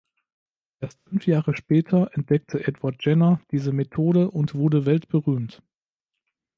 Erst fünf Jahre später entdeckte Edward Jenner diese Methode und wurde weltberühmt.